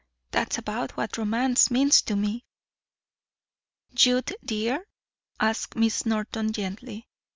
That's about what romance means to me." "Youth, dear?" asks Miss Norton gently.